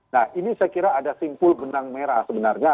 nah ini saya kira ada simpul benang merah sebenarnya